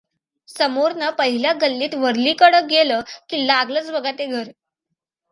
समोरनं पहिल्या गल्लीत वरलीकडं गेलं की लागलंच बघा ते घर.